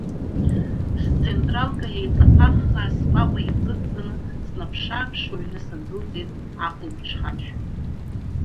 Сцентралка еиҵаԥахаа сҟәаҟәа инкыдҵаны, снаԥшы-ааԥшуа аҩны сындәылҵит ахәымҽханшәа.